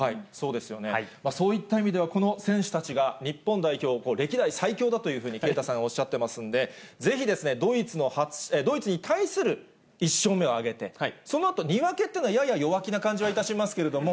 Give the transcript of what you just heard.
そういった意味ではこの選手たちが、日本代表歴代最強だというふうに啓太さんがおっしゃってますんで、ぜひですね、ドイツに対する１勝目を挙げて、そのあと、２分けっていうのはやや弱気な感じはいたしますけれども。